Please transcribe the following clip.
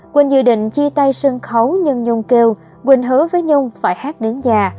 quỳnh dự định chia tay sân khấu nhưng nhung kêu quỳnh hứa với nhung phải hát đến già